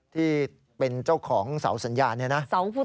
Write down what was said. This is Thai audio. ที่เป็นเจ้าของเสาสัญญาณเนี่ยนะ